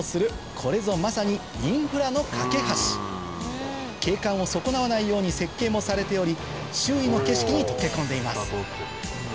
これぞまさにインフラの架け橋景観を損なわないように設計もされており周囲の景色に溶け込んでいます